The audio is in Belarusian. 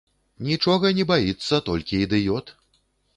Нічога не баіцца толькі ідыёт.